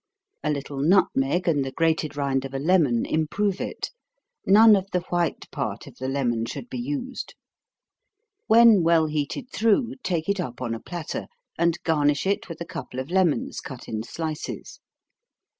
A little nutmeg, and the grated rind of a lemon, improve it none of the white part of the lemon should be used. When well heated through, take it up on a platter, and garnish it with a couple of lemons cut in slices.